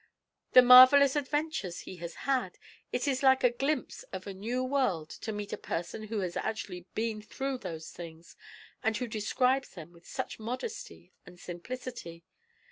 The marvellous adventures he has had! It is like a glimpse of a new world to meet a person who has actually been through those things, and who describes them with such modesty and simplicity.